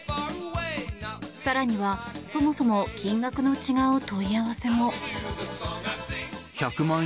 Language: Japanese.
更には、そもそも金額の違う問い合わせも。